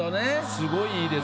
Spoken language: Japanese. すごい良いですね。